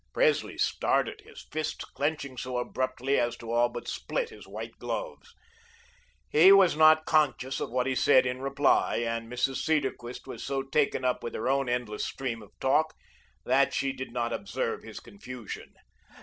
Presley started, his fists clenching so abruptly as to all but split his white gloves. He was not conscious of what he said in reply, and Mrs. Cedarquist was so taken up with her own endless stream of talk that she did not observe his confusion.